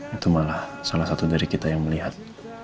itu malah salah satu dari kita yang melihat